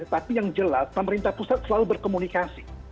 tapi yang jelas pemerintah pusat selalu berkomunikasi